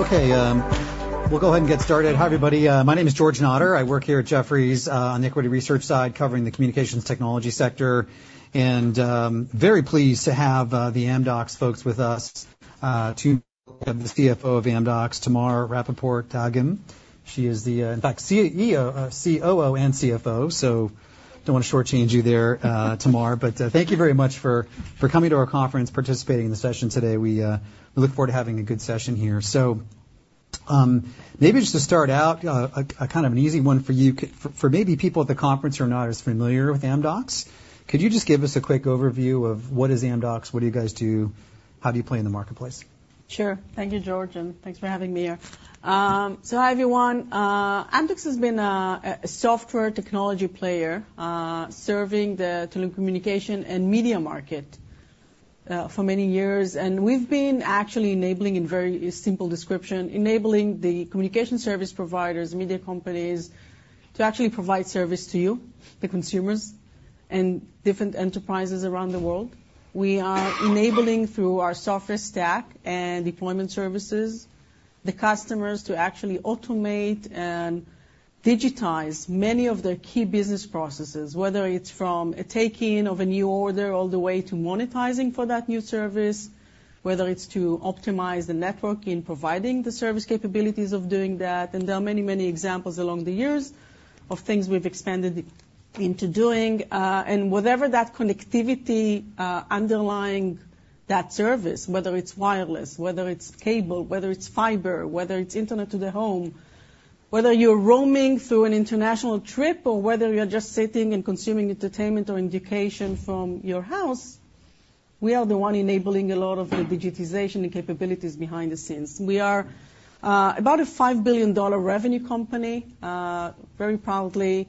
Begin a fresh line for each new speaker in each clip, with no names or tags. Okay, we'll go ahead and get started. Hi, everybody, my name is George Notter. I work here at Jefferies, on the equity research side, covering the communications technology sector. And, very pleased to have the Amdocs folks with us today, the CFO of Amdocs, Tamar Rapaport-Dagim. She is the, in fact, COO, and CFO. So don't want to shortchange you there, Tamar. But, thank you very much for coming to our conference, participating in the session today. We look forward to having a good session here. So, maybe just to start out, a kind of an easy one for you. For maybe people at the conference who are not as familiar with Amdocs, could you just give us a quick overview of what is Amdocs? What do you guys do? How do you play in the marketplace?
Sure. Thank you, George, and thanks for having me here. Hi, everyone. Amdocs has been a software technology player serving the telecommunication and media market for many years. And we've been actually enabling, in very simple description, enabling the communication service providers, media companies, to actually provide service to you, the consumers and different enterprises around the world. We are enabling, through our software stack and deployment services, the customers to actually automate and digitize many of their key business processes, whether it's from a taking of a new order, all the way to monetizing for that new service, whether it's to optimize the network in providing the service capabilities of doing that. And there are many, many examples along the years of things we've expanded into doing. And whatever that connectivity underlying that service, whether it's wireless, whether it's cable, whether it's fiber, whether it's internet to the home, whether you're roaming through an international trip, or whether you're just sitting and consuming entertainment or education from your house, we are the one enabling a lot of the digitization and capabilities behind the scenes. We are about a $5 billion revenue company, very proudly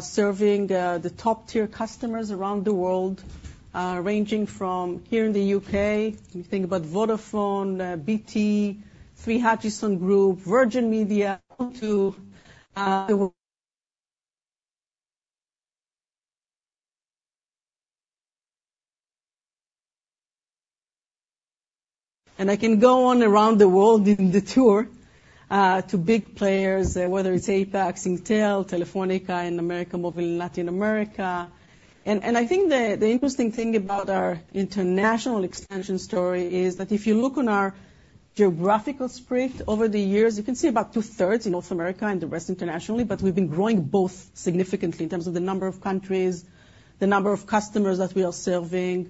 serving the top-tier customers around the world, ranging from here in the U.K., you think about Vodafone, BT, Three Hutchison Group, Virgin Media, to... And I can go on around the world in the tour to big players, whether it's APAC, Airtel, Telefónica, and América Móvil in Latin America. I think the interesting thing about our international expansion story is that if you look on our geographical spread over the years, you can see about 2/3 in North America and the rest internationally. But we've been growing both significantly in terms of the number of countries, the number of customers that we are serving.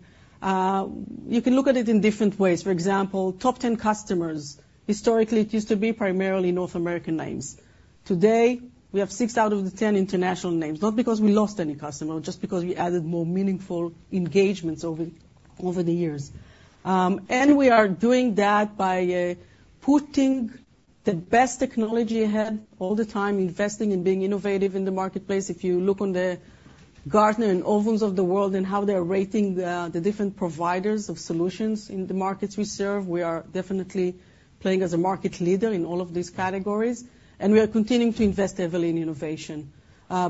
You can look at it in different ways. For example, top 10 customers. Historically, it used to be primarily North American names. Today, we have six out of the 10 international names, not because we lost any customer, just because we added more meaningful engagements over the years. And we are doing that by putting the best technology ahead all the time, investing and being innovative in the marketplace. If you look on the Gartner and Ovum's of the world and how they are rating the different providers of solutions in the markets we serve, we are definitely playing as a market leader in all of these categories. We are continuing to invest heavily in innovation,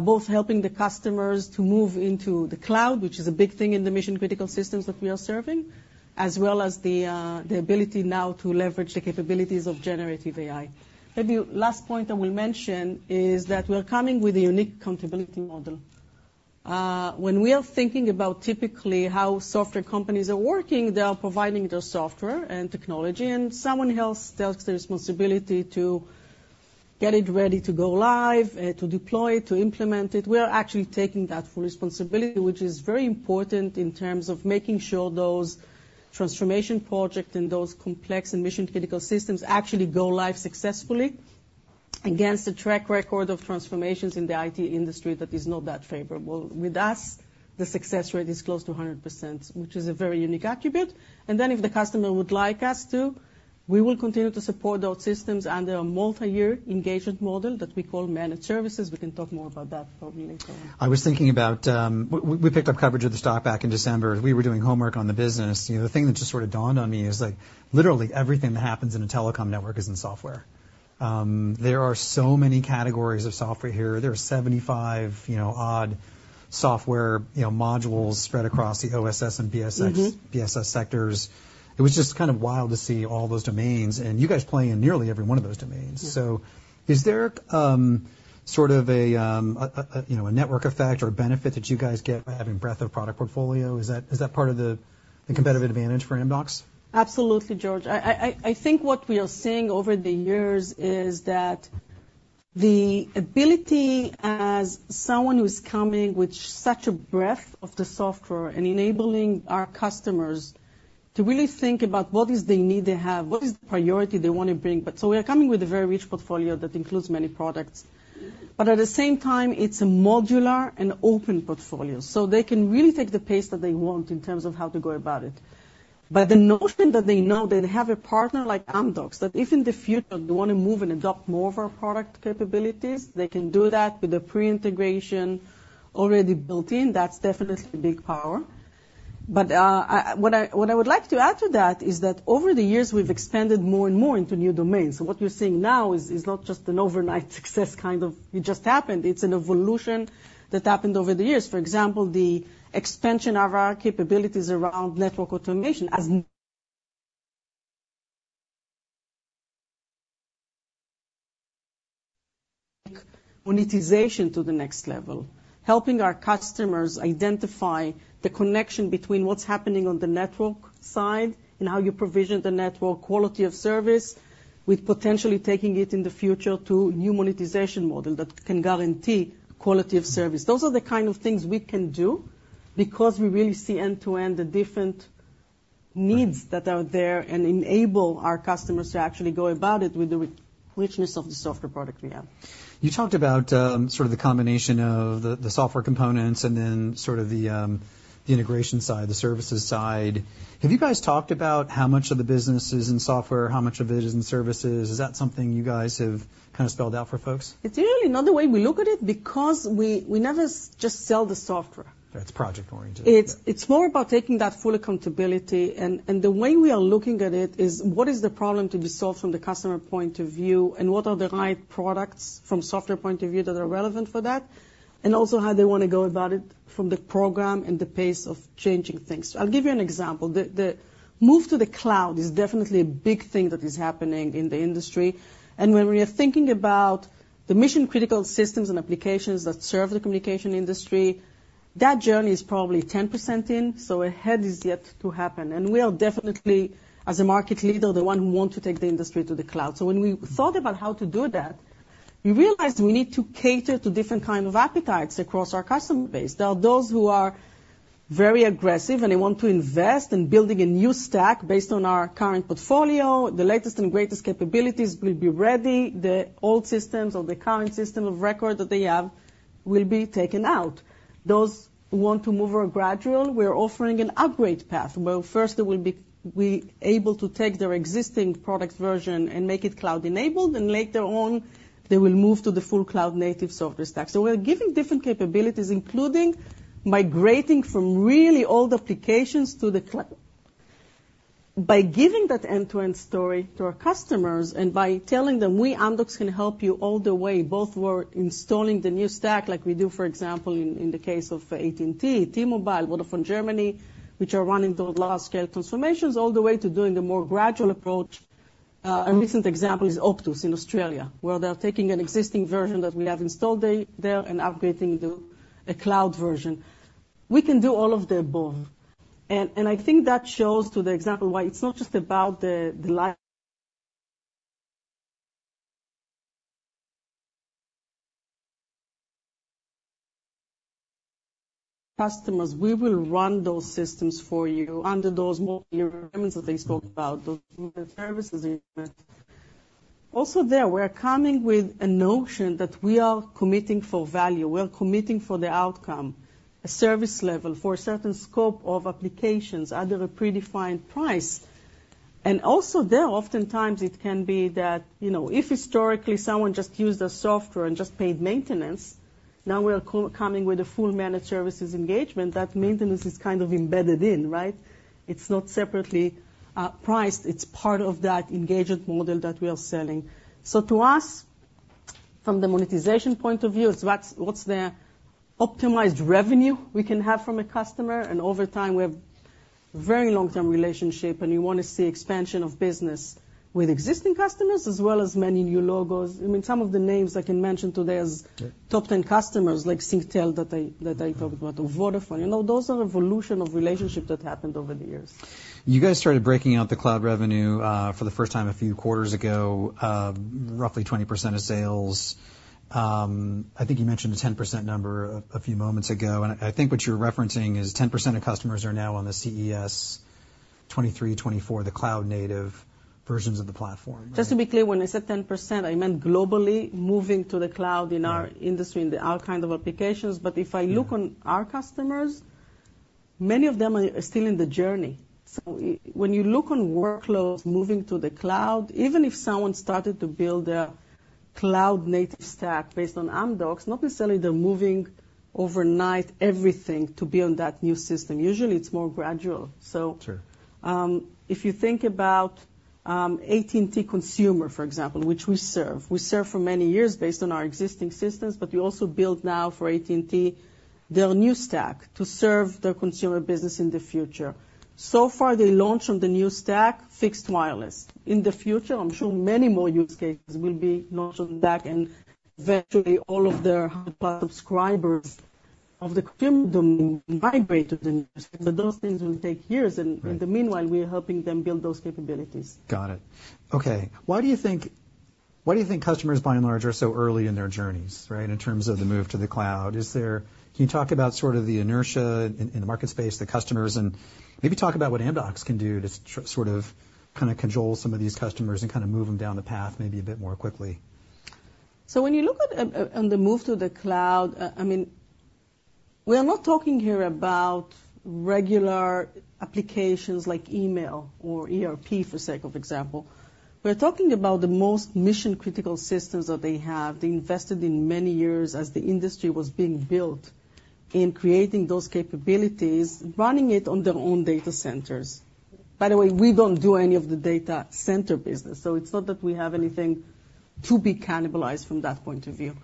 both helping the customers to move into the cloud, which is a big thing in the mission-critical systems that we are serving, as well as the ability now to leverage the capabilities of generative AI. Maybe last point I will mention is that we're coming with a unique accountability model. When we are thinking about typically how software companies are working, they are providing their software and technology, and someone else takes the responsibility to get it ready to go live, to deploy, to implement it. We are actually taking that full responsibility, which is very important in terms of making sure those transformation projects and those complex and mission-critical systems actually go live successfully against the track record of transformations in the IT industry that is not that favorable. With us, the success rate is close to 100%, which is a very unique attribute. And then, if the customer would like us to, we will continue to support those systems under a multi-year engagement model that we call managed services. We can talk more about that probably later on.
I was thinking about. We picked up coverage of the stock back in December. We were doing homework on the business, and the thing that just sort of dawned on me is, like, literally everything that happens in a telecom network is in software. There are so many categories of software here. There are 75, you know, odd software, you know, modules spread across the OSS and BSS-
Mm-hmm...
BSS sectors. It was just kind of wild to see all those domains, and you guys play in nearly every one of those domains.
Yeah.
So is there sort of a, you know, a network effect or benefit that you guys get by having breadth of product portfolio? Is that part of the competitive advantage for Amdocs?
Absolutely, George. I think what we are seeing over the years is that the ability, as someone who's coming with such a breadth of the software and enabling our customers to really think about what is the need they have, what is the priority they want to bring. But so we are coming with a very rich portfolio that includes many products, but at the same time, it's a modular and open portfolio, so they can really take the pace that they want in terms of how to go about it. But the notion that they know they have a partner like Amdocs, that if in the future they want to move and adopt more of our product capabilities, they can do that with the pre-integration already built in, that's definitely a big power. But, I... What I would like to add to that is that over the years, we've expanded more and more into new domains. So what we're seeing now is not just an overnight success, kind of it just happened. It's an evolution that happened over the years. For example, the expansion of our capabilities around network automation, monetization to the next level, helping our customers identify the connection between what's happening on the network side and how you provision the network quality of service, with potentially taking it in the future to new monetization model that can guarantee quality of service. Those are the kind of things we can do because we really see end-to-end, the different needs that are there, and enable our customers to actually go about it with the richness of the software product we have.
You talked about, sort of the combination of the, the software components and then sort of the, the integration side, the services side. Have you guys talked about how much of the business is in software, how much of it is in services? Is that something you guys have kind of spelled out for folks?
It's really not the way we look at it, because we never just sell the software.
Yeah, it's project-oriented.
It's more about taking that full accountability, and the way we are looking at it is, what is the problem to be solved from the customer point of view, and what are the right products from software point of view that are relevant for that? And also, how they want to go about it from the program and the pace of changing things. I'll give you an example. The move to the cloud is definitely a big thing that is happening in the industry, and when we are thinking about the mission-critical systems and applications that serve the communication industry, that journey is probably 10% in, so ahead is yet to happen. And we are definitely, as a market leader, the one who want to take the industry to the cloud. So when we thought about how to do that, we realized we need to cater to different kind of appetites across our customer base. There are those who are very aggressive, and they want to invest in building a new stack based on our current portfolio. The latest and greatest capabilities will be ready. The old systems or the current system of record that they have will be taken out. Those who want to move are gradual. We are offering an upgrade path, where first they will be able to take their existing product version and make it cloud-enabled, and later on, they will move to the full cloud-native software stack. So we're giving different capabilities, including migrating from really old applications to the cloud. By giving that end-to-end story to our customers, and by telling them, "We, Amdocs, can help you all the way," both we're installing the new stack, like we do, for example, in the case of AT&T, T-Mobile, Vodafone Germany, which are running those large-scale transformations, all the way to doing the more gradual approach. A recent example is Optus in Australia, where they are taking an existing version that we have installed there and upgrading to a cloud version. We can do all of the above, and I think that shows to the example why it's not just about the customers. We will run those systems for you under those more requirements that I spoke about, those services. Also there, we're coming with a notion that we are committing for value. We are committing for the outcome, a service level for a certain scope of applications under a predefined price. And also there, oftentimes, it can be that, you know, if historically someone just used a software and just paid maintenance, now we're coming with a full managed services engagement, that maintenance is kind of embedded in, right? It's not separately priced. It's part of that engagement model that we are selling. So to us, from the monetization point of view, it's what's, what's the optimized revenue we can have from a customer, and over time, we have very long-term relationship, and we want to see expansion of business with existing customers, as well as many new logos. I mean, some of the names I can mention today as-
Yeah...
top 10 customers, like Singtel, that I, that I talked about, or Vodafone. You know, those are evolution of relationship that happened over the years.
You guys started breaking out the cloud revenue, for the first time a few quarters ago, roughly 20% of sales. I think you mentioned a 10% number a, a few moments ago, and I think what you're referencing is 10% of customers are now on the CES 2023, 2024, the cloud-native versions of the platform.
Just to be clear, when I said 10%, I meant globally moving to the cloud in our-
Right...
industry, in our kind of applications.
Yeah.
But if I look on our customers, many of them are still in the journey. So when you look on workloads moving to the cloud, even if someone started to build a cloud-native stack based on Amdocs, not necessarily they're moving overnight, everything to be on that new system. Usually, it's more gradual. So
Sure.
If you think about AT&T consumer, for example, which we serve, we serve for many years based on our existing systems, but we also build now for AT&T their new stack to serve their consumer business in the future. So far, they launched on the new stack fixed wireless. In the future, I'm sure many more use cases will be launched on that, and virtually all of their subscribers will be migrated to the new. But those things will take years.
Right.
In the meanwhile, we are helping them build those capabilities.
Got it. Okay, why do you think, why do you think customers, by and large, are so early in their journeys, right, in terms of the move to the cloud? Is there... Can you talk about sort of the inertia in, in the market space, the customers, and maybe talk about what Amdocs can do to sort of, kind of, cajole some of these customers and kind of move them down the path maybe a bit more quickly?
So when you look at the move to the cloud, I mean, we are not talking here about regular applications like email or ERP, for the sake of example. We're talking about the most mission-critical systems that they have. They invested in many years as the industry was being built, in creating those capabilities, running it on their own data centers. By the way, we don't do any of the data center business, so it's not that we have anything to be cannibalized from that point of view.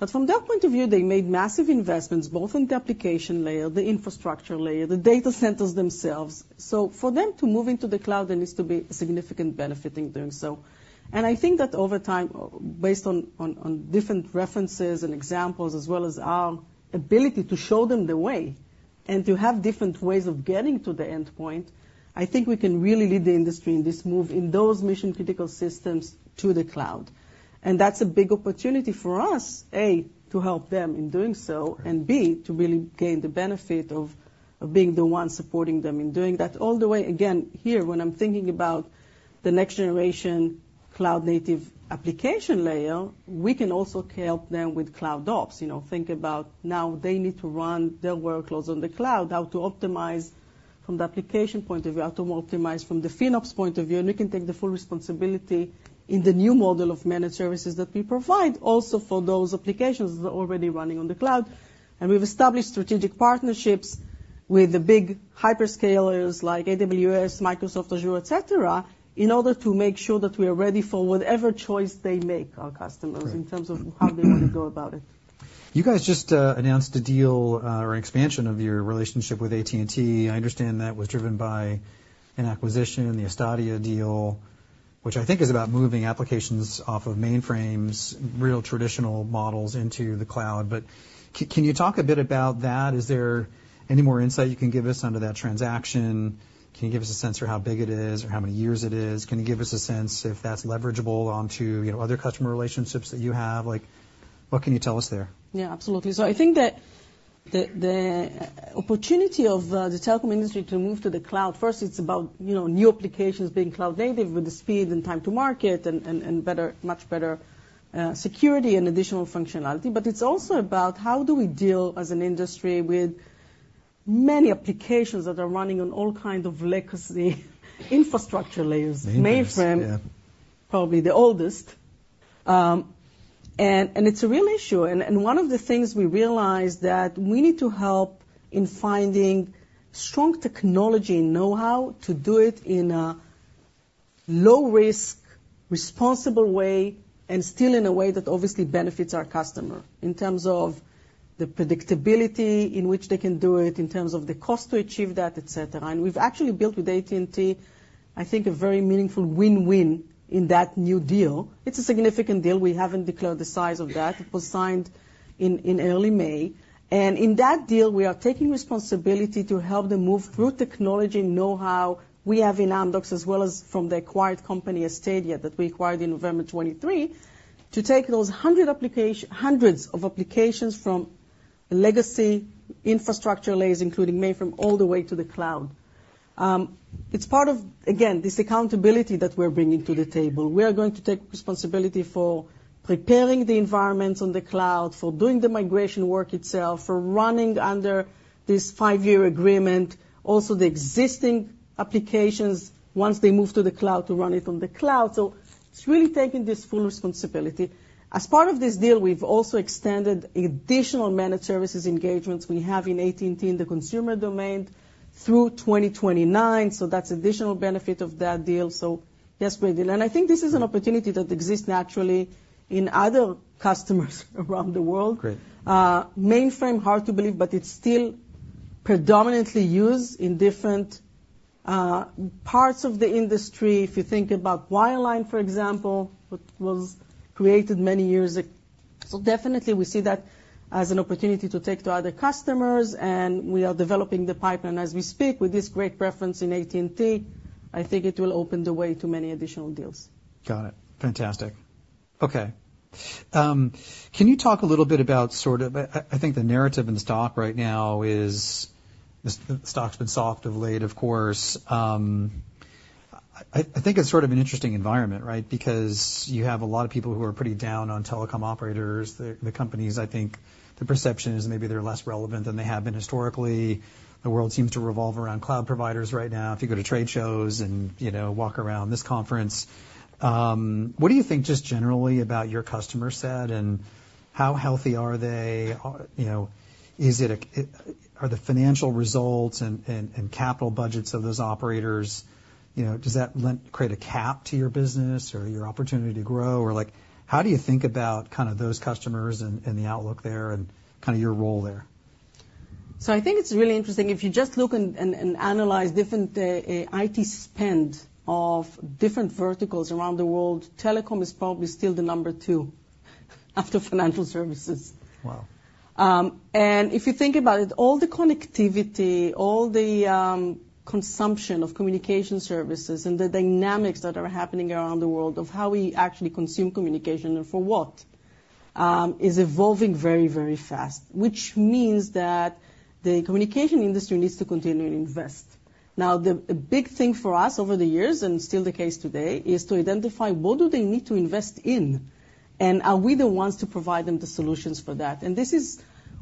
But from their point of view, they made massive investments, both in the application layer, the infrastructure layer, the data centers themselves. So for them to move into the cloud, there needs to be a significant benefit in doing so. And I think that over time, based on different references and examples, as well as our ability to show them the way and to have different ways of getting to the endpoint, I think we can really lead the industry in this move, in those mission-critical systems to the cloud. And that's a big opportunity for us, A, to help them in doing so, and B, to really gain the benefit of being the one supporting them in doing that all the way. Again, here, when I'm thinking about the next generation cloud-native application layer, we can also help them with CloudOps. You know, think about now they need to run their workloads on the cloud, how to optimize from the application point of view, how to optimize from the FinOps point of view, and we can take the full responsibility in the new model of managed services that we provide, also for those applications that are already running on the cloud. And we've established strategic partnerships with the big hyperscalers, like AWS, Microsoft Azure, et cetera, in order to make sure that we are ready for whatever choice they make, our customers-
Right.
in terms of how they want to go about it.
You guys just announced a deal or an expansion of your relationship with AT&T. I understand that was driven by an acquisition, the Astadia deal, which I think is about moving applications off of mainframes, real traditional models, into the cloud. But can you talk a bit about that? Is there any more insight you can give us under that transaction? Can you give us a sense for how big it is or how many years it is? Can you give us a sense if that's leverageable onto, you know, other customer relationships that you have? Like, what can you tell us there?
Yeah, absolutely. So I think that the opportunity of the telecom industry to move to the cloud, first, it's about, you know, new applications being cloud-native with the speed and time to market and better, much better, security and additional functionality. But it's also about how do we deal, as an industry, with many applications that are running on all kind of legacy infrastructure layers-
Mainframes, yeah.
mainframe, probably the oldest. And it's a real issue. And one of the things we realized that we need to help in finding strong technology know-how to do it in a low risk, responsible way, and still in a way that obviously benefits our customer, in terms of the predictability in which they can do it, in terms of the cost to achieve that, et cetera. And we've actually built with AT&T, I think, a very meaningful win-win in that new deal. It's a significant deal. We haven't declared the size of that. It was signed in early May. In that deal, we are taking responsibility to help them move through technology know-how we have in Amdocs, as well as from the acquired company, Astadia, that we acquired in November 2023, to take those hundreds of applications from legacy infrastructure layers, including mainframe, all the way to the cloud. It's part of, again, this accountability that we're bringing to the table. We are going to take responsibility for preparing the environment on the cloud, for doing the migration work itself, for running under this five-year agreement, also, the existing applications, once they move to the cloud, to run it on the cloud. So it's really taking this full responsibility. As part of this deal, we've also extended additional managed services engagements we have in AT&T in the consumer domain through 2029, so that's additional benefit of that deal. So yes, great deal. I think this is an opportunity that exists naturally in other customers around the world.
Great.
Mainframe, hard to believe, but it's still predominantly used in different parts of the industry. If you think about wireline, for example, which was created many years ago. So definitely we see that as an opportunity to take to other customers, and we are developing the pipeline as we speak with this great reference in AT&T. I think it will open the way to many additional deals.
Got it. Fantastic. Okay. Can you talk a little bit about sort of... I think the narrative in the stock right now is, the stock's been soft of late, of course. I think it's sort of an interesting environment, right? Because you have a lot of people who are pretty down on telecom operators. The companies, I think, the perception is maybe they're less relevant than they have been historically. The world seems to revolve around cloud providers right now. If you go to trade shows and, you know, walk around this conference, what do you think, just generally, about your customer set, and how healthy are they? You know, are the financial results and capital budgets of those operators, you know, does that lend to create a cap to your business or your opportunity to grow? Or, like, how do you think about kind of those customers and the outlook there and kind of your role there?
So I think it's really interesting. If you just look and analyze different IT spend of different verticals around the world, telecom is probably still the number 2 after financial services.
Wow!
And if you think about it, all the connectivity, all the consumption of communication services and the dynamics that are happening around the world of how we actually consume communication and for what is evolving very, very fast, which means that the communication industry needs to continue to invest. Now, the big thing for us over the years, and still the case today, is to identify what do they need to invest in, and are we the ones to provide them the solutions for that? And this is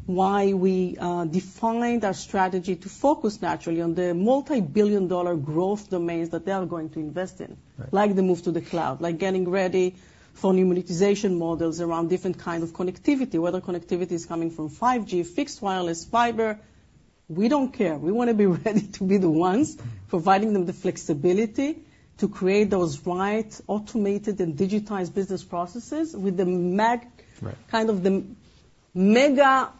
why we defined our strategy to focus naturally on the multibillion-dollar growth domains that they are going to invest in.
Right.
Like the move to the cloud, like getting ready for new monetization models around different kind of connectivity, whether connectivity is coming from 5G, fixed wireless, fiber, we don't care. We want to be ready to be the ones-
Mm-hmm.
providing them the flexibility to create those right automated and digitized business processes with the mag-
Right.
kind of the mega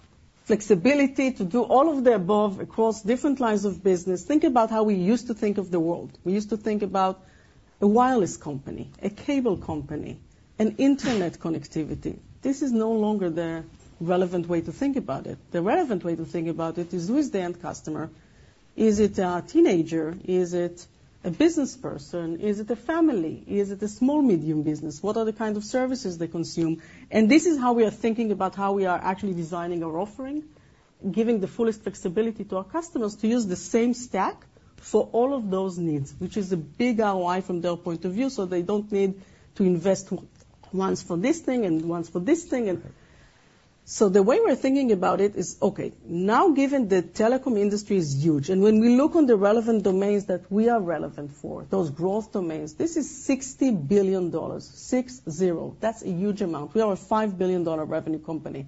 flexibility to do all of the above across different lines of business. Think about how we used to think of the world. We used to think about a wireless company, a cable company... and internet connectivity. This is no longer the relevant way to think about it. The relevant way to think about it is, who is the end customer? Is it a teenager? Is it a business person? Is it a family? Is it a small, medium business? What are the kind of services they consume? This is how we are thinking about how we are actually designing our offering, giving the fullest flexibility to our customers to use the same stack for all of those needs, which is a big ROI from their point of view, so they don't need to invest once for this thing and once for this thing and. So the way we're thinking about it is, okay, now, given the telecom industry is huge, and when we look on the relevant domains that we are relevant for, those growth domains, this is $60 billion. That's a huge amount. We are a $5 billion revenue company.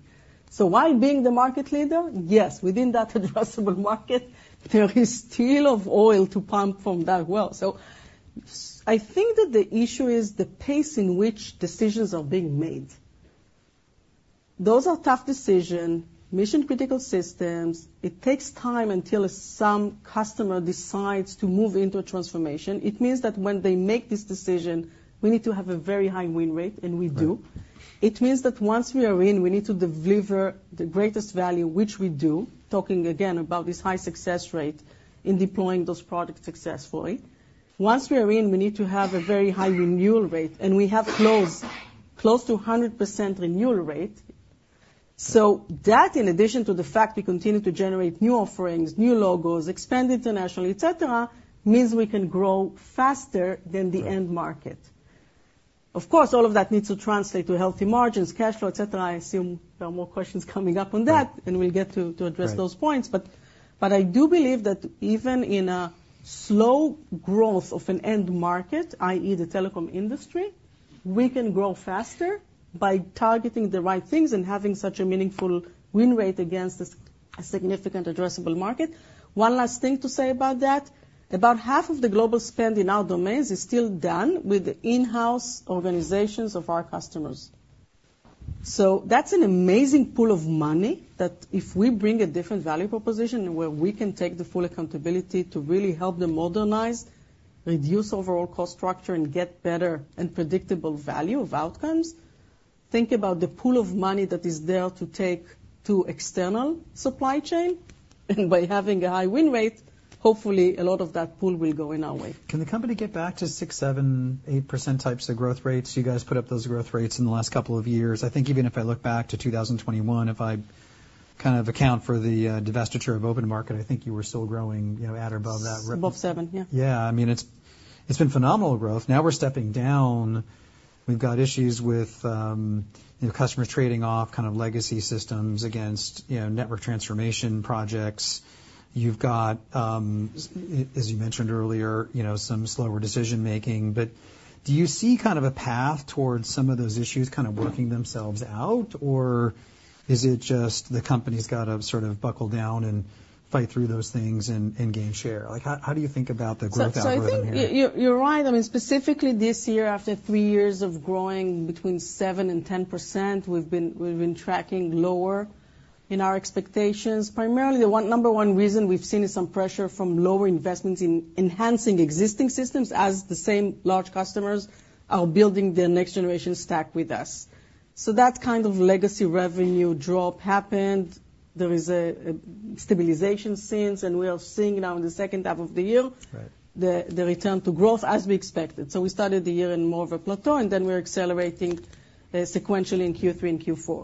So while being the market leader, yes, within that addressable market, there is still of oil to pump from that well. So I think that the issue is the pace in which decisions are being made. Those are tough decisions, mission-critical systems. It takes time until some customer decides to move into a transformation. It means that when they make this decision, we need to have a very high win rate, and we do.
Right.
It means that once we are in, we need to deliver the greatest value, which we do, talking again about this high success rate in deploying those products successfully. Once we are in, we need to have a very high renewal rate, and we have close, close to a 100% renewal rate. So that, in addition to the fact we continue to generate new offerings, new logos, expand internationally, et cetera, means we can grow faster than the end market.
Right.
Of course, all of that needs to translate to healthy margins, cash flow, et cetera. I assume there are more questions coming up on that, and we'll get to address those points.
Right.
But, but I do believe that even in a slow growth of an end market, i.e., the telecom industry, we can grow faster by targeting the right things and having such a meaningful win rate against a significant addressable market. One last thing to say about that, about half of the global spend in our domains is still done with in-house organizations of our customers. So that's an amazing pool of money that if we bring a different value proposition, where we can take the full accountability to really help them modernize, reduce overall cost structure, and get better and predictable value of outcomes, think about the pool of money that is there to take to external supply chain, and by having a high win rate, hopefully, a lot of that pool will go in our way.
Can the company get back to 6%, 7%, 8% types of growth rates? You guys put up those growth rates in the last couple of years. I think even if I look back to 2021, if I kind of account for the divestiture of OpenMarket, I think you were still growing, you know, at or above that-
Above seven, yeah.
Yeah. I mean, it's, it's been phenomenal growth. Now we're stepping down. We've got issues with, you know, customers trading off kind of legacy systems against, you know, network transformation projects. You've got, as you mentioned earlier, you know, some slower decision making. But do you see kind of a path towards some of those issues kind of working themselves out, or is it just the company's got to sort of buckle down and fight through those things and, and gain share? Like, how, how do you think about the growth algorithm here?
So, so I think you're, you're right. I mean, specifically this year, after three years of growing between 7% and 10%, we've been, we've been tracking lower in our expectations. Primarily, the number one reason we've seen is some pressure from lower investments in enhancing existing systems as the same large customers are building their next generation stack with us. So that kind of legacy revenue drop happened. There is a, a stabilization since, and we are seeing now in the H2 of the year-
Right...
the return to growth as we expected. So we started the year in more of a plateau, and then we're accelerating sequentially in Q3 and Q4.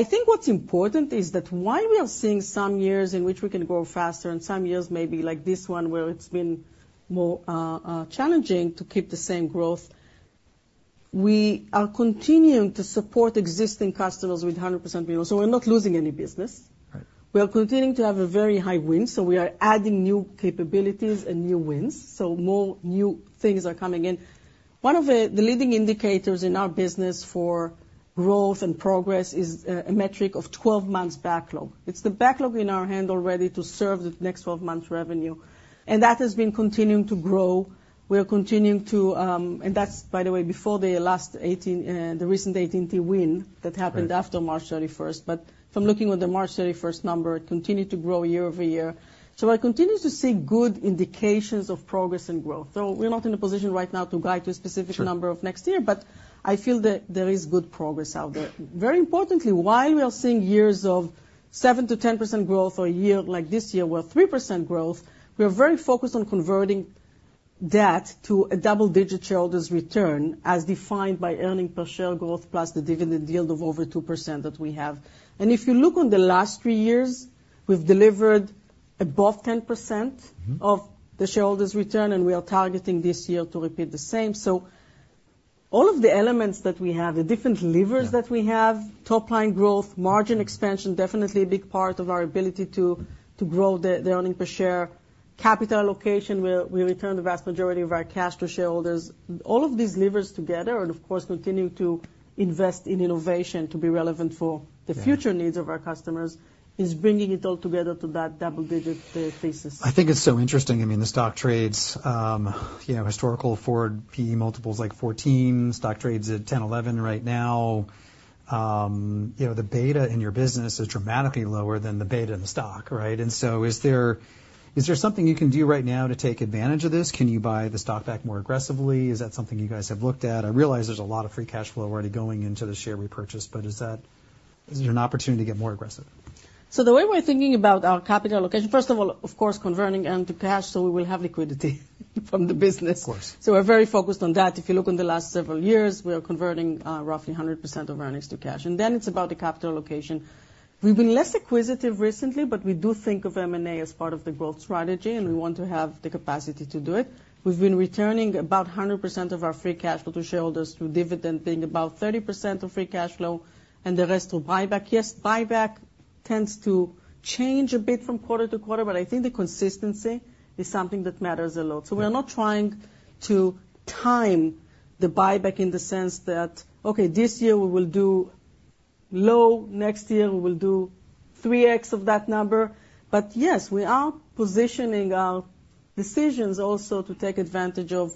I think what's important is that while we are seeing some years in which we can grow faster and some years, maybe like this one, where it's been more challenging to keep the same growth, we are continuing to support existing customers with 100% renewal, so we're not losing any business.
Right.
We are continuing to have a very high win, so we are adding new capabilities and new wins, so more new things are coming in. One of the leading indicators in our business for growth and progress is a metric of 12 months backlog. It's the backlog in our hand already to serve the next 12 months revenue, and that has been continuing to grow. We are continuing to. That's, by the way, before the last 18, the recent AT&T win that happened-
Right...
after March 31st. But from looking on the 31 March number, it continued to grow year-over-year. So I continue to see good indications of progress and growth, though we're not in a position right now to guide to a specific number-
Sure...
of next year, but I feel that there is good progress out there. Very importantly, while we are seeing years of 7%-10% growth or a year like this year, where 3% growth, we are very focused on converting that to a double-digit shareholder's return, as defined by earnings per share growth plus the dividend yield of over 2% that we have. And if you look on the last three years, we've delivered above 10%-
Mm-hmm...
of the shareholders' return, and we are targeting this year to repeat the same. So all of the elements that we have, the different levers that we have-
Yeah...
top-line growth, margin expansion, definitely a big part of our ability to grow the earnings per share, capital allocation, where we return the vast majority of our cash to shareholders, all of these levers together, and of course, continuing to invest in innovation to be relevant for-
Yeah...
the future needs of our customers, is bringing it all together to that double-digit thesis.
I think it's so interesting. I mean, the stock trades, you know, historical forward PE multiple is, like, 14. Stock trades at 10, 11 right now. You know, the beta in your business is dramatically lower than the beta in the stock, right? And so is there, is there something you can do right now to take advantage of this? Can you buy the stock back more aggressively? Is that something you guys have looked at? I realize there's a lot of free cash flow already going into the share repurchase, but is that, is there an opportunity to get more aggressive?
The way we're thinking about our capital allocation, first of all, of course, converting into cash, so we will have liquidity from the business.
Of course.
So we're very focused on that. If you look in the last several years, we are converting roughly 100% of our earnings to cash, and then it's about the capital allocation. We've been less acquisitive recently, but we do think of M&A as part of the growth strategy, and we want to have the capacity to do it. We've been returning about 100% of our free cash flow to shareholders through dividend, paying about 30% of free cash flow and the rest through buyback. Yes, buyback tends to change a bit from quarter to quarter, but I think the consistency is something that matters a lot. So we are not trying to time the buyback in the sense that, okay, this year we will do low, next year we will do 3x of that number. Yes, we are positioning our decisions also to take advantage of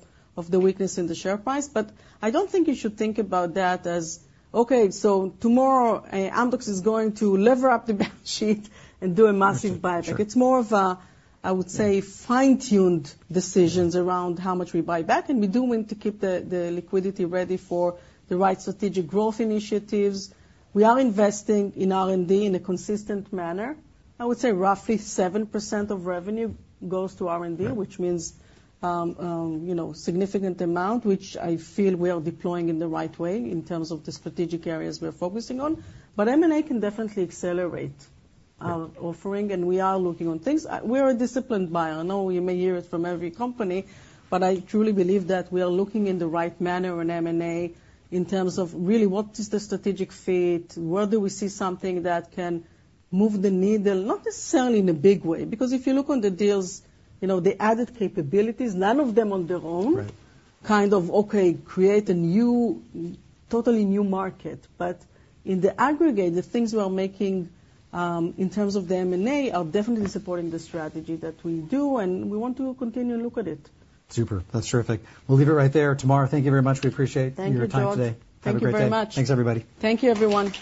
the weakness in the share price. But I don't think you should think about that as, okay, so tomorrow, Amdocs is going to lever up the balance sheet and do a massive buyback.
Sure.
It's more of a, I would say, fine-tuned decisions around how much we buy back, and we do want to keep the, the liquidity ready for the right strategic growth initiatives. We are investing in R&D in a consistent manner. I would say roughly 7% of revenue goes to R&D-
Yeah.
-which means, you know, significant amount, which I feel we are deploying in the right way in terms of the strategic areas we are focusing on. But M&A can definitely accelerate our offering, and we are looking on things. We are a disciplined buyer. I know you may hear it from every company, but I truly believe that we are looking in the right manner on M&A in terms of really what is the strategic fit, where do we see something that can move the needle? Not necessarily in a big way, because if you look on the deals, you know, the added capabilities, none of them on their own-
Right.
Kind of, okay, create a new, totally new market. But in the aggregate, the things we are making, in terms of the M&A, are definitely supporting the strategy that we do, and we want to continue to look at it.
Super. That's terrific. We'll leave it right there. Tamar, thank you very much. We appreciate your time today.
Thank you, George. Thank you very much.
Have a great day. Thanks, everybody.
Thank you, everyone.